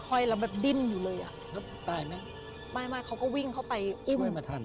ห้อยแล้วแบบดิ้นอยู่เลยอ่ะแล้วตายไหมไม่ไม่เขาก็วิ่งเข้าไปอุ้มให้มาทัน